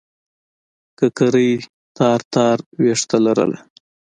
ککرۍ تار تار وېښته لرله.